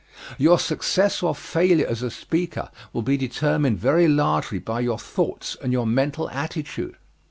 Your success or failure as a speaker will be determined very largely by your thoughts and your mental attitude.